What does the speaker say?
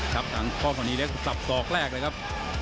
ครับหลังกล้องตรงนี้สับสอกแรกเลยครับ